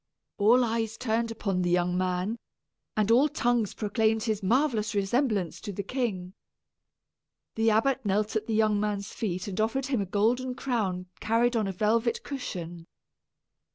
All eyes turned upon the young man, and all tongues proclaimed his marvellous resemblance to the king. The abbot knelt at the young man's feet and offered him a golden crown carried on a velvet cushion.